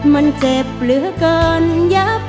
มันเจ็บเหลือเกินยับ